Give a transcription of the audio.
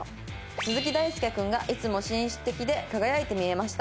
「鈴木大介君がいつも紳士的で輝いて見えました」